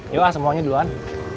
yuk ah semuanya duluan